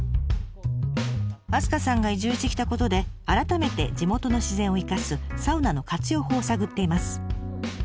明日香さんが移住してきたことで改めて地元の自然を生かすサウナの活用法を探っています。